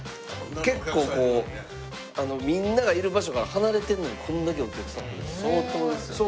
結構みんながいる場所から離れてるのにこんだけお客さんが来るって相当ですよね。